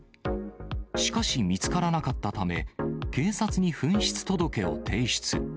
しかし見つからなかったため、警察に紛失届を提出。